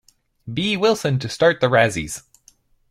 B. Wilson to start the Razzies.